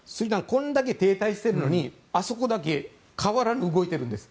これだけ停滞しているのにあそこだけ変わらず動いてるんです。